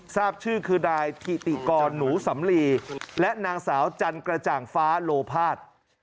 ทราบชื่อคือนายถิติกรหนูสำลีและนางสาวจันกระจ่างฟ้าโลภาษ